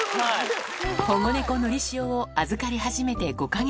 保護猫、のりしおを預かり始めて５か月。